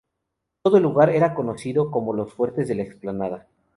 Todo el lugar era conocido como "Los Fuertes de la Explanada".